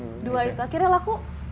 dua itu akhirnya laku